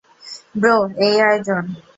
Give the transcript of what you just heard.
Bro, এই আয়োজন!